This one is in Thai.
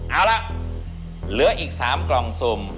เอาละเหลืออีก๓กล่องสุ่ม